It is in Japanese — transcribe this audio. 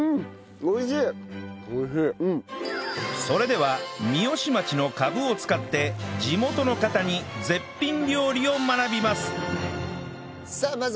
それでは三芳町のカブを使って地元の方に絶品料理を学びますさあ